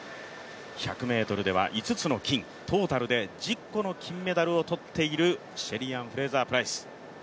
１００ｍでは５つの金、トータルでは１０個の金メダルを取っているシェリーアン・フレイザープライス。